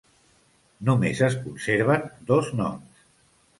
Només es conserven dos noms.